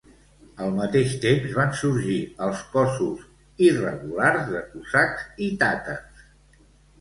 Al mateix temps, van sorgir els cossos irregulars de cosacs i tàtars.